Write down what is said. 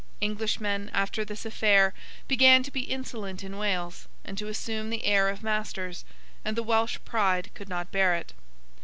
Englishmen, after this affair, began to be insolent in Wales, and to assume the air of masters; and the Welsh pride could not bear it.